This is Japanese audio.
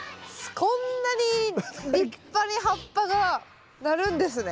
こんなに立派に葉っぱがなるんですね。